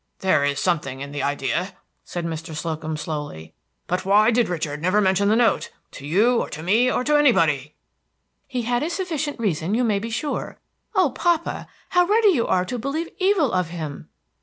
"There is something in the idea," said Mr. Slocum slowly. "But why did Richard never mention the note, to you, or to me, or to anybody?" "He had a sufficient reason, you may be sure. Oh, papa, how ready you are to believe evil of him!"